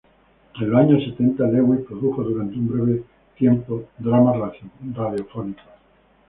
En los años setenta Lewis produjo durante un breve tiempo dramas radiofónicos.